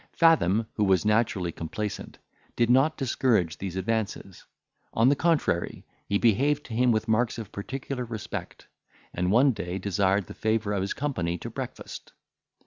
Fathom, who was naturally complaisant, did not discourage these advances. On the contrary, he behaved to him with marks of particular respect, and one day desired the favour of his company to breakfast.